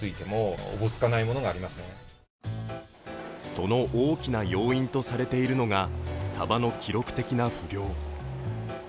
その大きな要因とされているのが、サバの記録的な不漁。